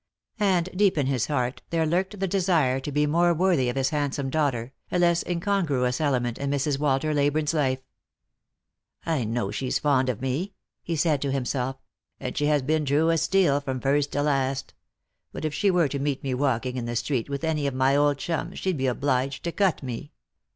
And deep in his heart there lurked the desire to be more worthy of his handsome daughter, a less incongruous element in Mrs. Walter Leyburne's life. " I know she's fond of me," he said to himself, " and she has been true as steel from first to last. But if she were to meet me walking in the street with any of my old chums she'd be obliged to cut me.